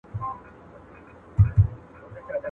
د سرو پېزوانه گړنگو زوړ کړې.